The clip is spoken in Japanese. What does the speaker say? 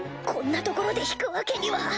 こんなところで引くわけには